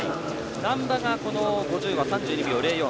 難波がこの５０ｍは３２秒０４。